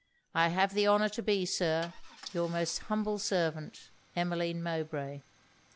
I have the honour to be, Sir, your most humble servant, EMMELINE MOWBRAY.'